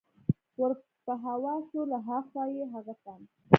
ور په هوا شو، له ها خوا یې هغه تن.